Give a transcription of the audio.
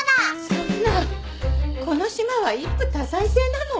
そんなこの島は一夫多妻制なの？